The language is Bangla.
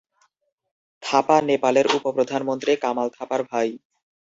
থাপা নেপালের উপ-প্রধানমন্ত্রী কামাল থাপার ভাই।